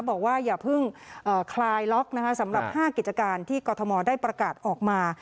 บอกว่าอย่าเพิ่งคลายล็อกนะคะสำหรับ๕กิจการที่กรทมได้ประกาศออกมา